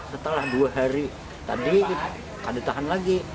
setelah dua hari tadi akan ditahan lagi